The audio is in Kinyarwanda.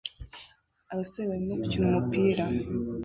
Abasore barimo gukina umupira